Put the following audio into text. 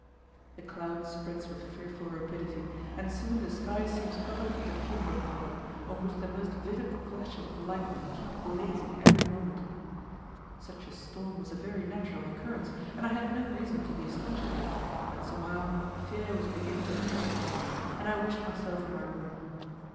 The cloud spreads with fearful rapidity, and soon the sky seems covered with a funeral pall, on which the most vivid flashes of lightning keep blazing every moment. Such a storm was a very natural occurrence, and I had no reason to be astonished at it, but somehow, fear was beginning to creep into me, and I wished myself in my room.